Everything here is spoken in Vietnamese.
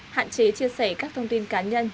hạn chế chia sẻ các thông tin cá nhân